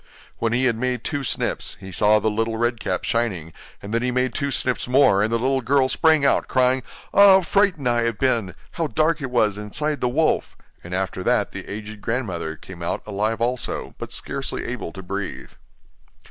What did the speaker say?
When he had made two snips, he saw the little Red Cap shining, and then he made two snips more, and the little girl sprang out, crying: 'Ah, how frightened I have been! How dark it was inside the wolf'; and after that the aged grandmother came out alive also, but scarcely able to breathe.